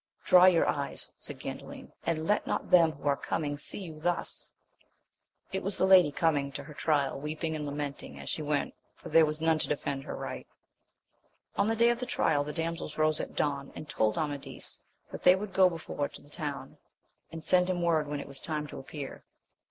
Dry your eyes, said Gandalin, and let not them who are coming see you thus ! It was the lady coming to her trial, weeping and lamenting as she went, for there was none to defend her right. On the day of the trial the damsels rose at dawn, and told Amadis that they would go before to the town, and send him word when it was time to appear.